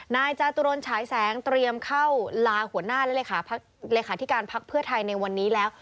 นายจาตุรนฉายแสงเตรียมเข้าลาหัวหน้าและเลขาธิการพักเพื่อไทยในวันนี้แล้ว